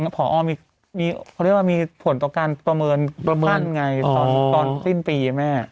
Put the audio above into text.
พอเขาเรียกว่ามีผลต่อการประเมินขั้นไงตอนสิ้นปีแม่